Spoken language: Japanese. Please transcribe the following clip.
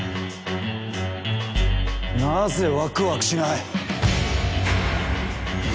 なぜワクワクしない。